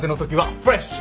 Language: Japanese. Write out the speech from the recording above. フレッシュ！